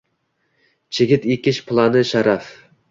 Chigit ekish plani sharaf.